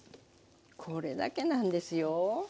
これだけなんですよ。